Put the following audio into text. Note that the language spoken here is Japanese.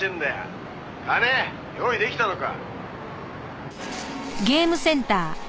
「金用意出来たのか？」